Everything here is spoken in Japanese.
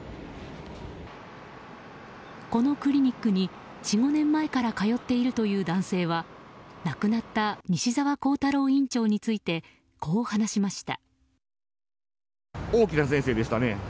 このクリニックに４５年前から通っているという男性は亡くなった西澤弘太郎院長についてこう話しました。